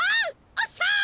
おっしゃ！